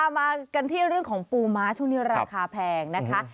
มากันที่เรื่องของปูม้าช่วงนี้ราคาแพงนะคะ